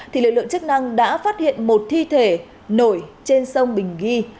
thì lực lượng chức năng đã phát hiện một thi thể nổi trên sông bình ghi